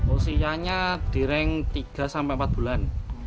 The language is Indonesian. usianya di rang tiga empat bulan